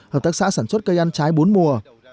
hợp tác xã sản xuất cây ăn trái bốn mùa